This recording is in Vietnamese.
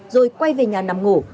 rồi quay về nhà nằm ngủ